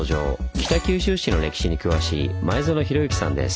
北九州市の歴史に詳しい前薗廣幸さんです。